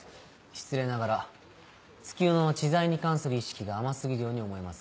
失礼ながら月夜野は知財に関する意識が甘過ぎるように思えます。